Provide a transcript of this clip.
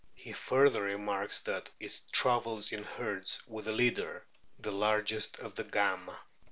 He further remarks that it travels in herds with a leader, the largest of the gamme.